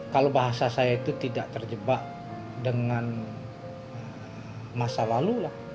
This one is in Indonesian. kalau bahasa saya itu tidak terjebak dengan masa lalu lah